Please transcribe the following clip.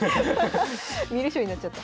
観る将になっちゃった。